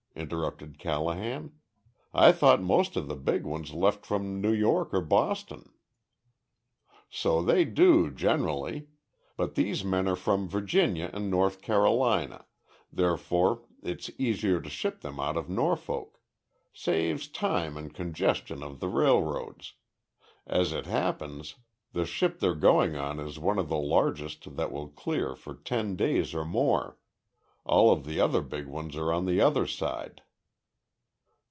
interrupted Callahan. "I thought most of the big ones left from New York or Boston." "So they do, generally. But these men are from Virginia and North Carolina. Therefore it's easier to ship them right out of Norfolk saves time and congestion of the railroads. As it happens, the ship they're going on is one of the largest that will clear for ten days or more. All of the other big ones are on the other side."